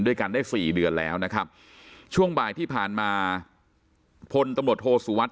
ได้๔เดือนแล้วนะครับช่วงบ่ายที่ผ่านมาพลตำรวจโทษสู่วัด